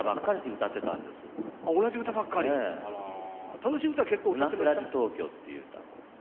楽しい歌結構歌ってました？